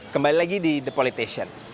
kembali lagi di the politician